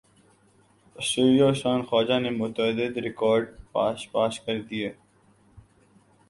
سٹریلیا اور عثمان خواجہ نے متعدد ریکارڈز پاش پاش کر دیے